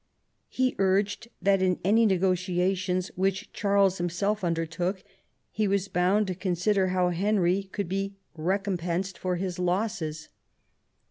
He urged that in any negotiations which Charles him self undertook he was bound to consider how Henry could be recompensed for his losses.